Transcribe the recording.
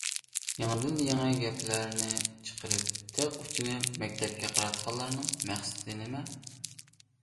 يېڭىدىن يېڭى گەپلەرنى چىقىرىپ، تىغ ئۇچىنى مەكتەپكە قاراتقانلارنىڭ مەقسىتى نېمە؟